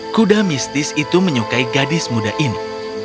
kuda mistis itu menyukai gadis muda ini